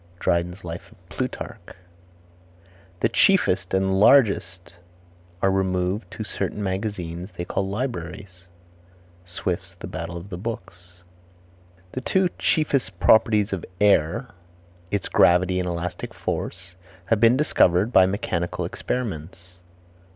Dryden's Life of Plutarch. "The chiefest and largest are removed to certain magazines they call libraries." Swift's Battle of the Books. The two chiefest properties of air, its gravity and elastic force, have been discovered by mechanical experiments.